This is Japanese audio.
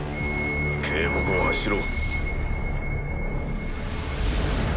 警告を発しろ。